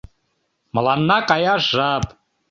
Мыланна каяш жап.